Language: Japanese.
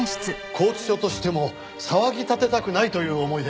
拘置所としても騒ぎ立てたくないという思いで。